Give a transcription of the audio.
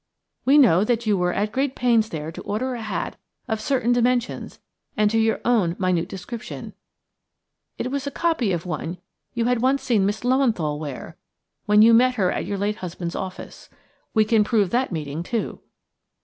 We know that you were at great pains there to order a hat of certain dimensions and to your own minute description; it was a copy of one you had once seen Miss Löwenthal wear when you met her at your late husband's office. We can prove that meeting, too.